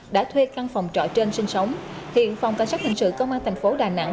đã thuê căn phòng trọ trên sinh sống hiện phòng cảnh sát hình sự công an thành phố đà nẵng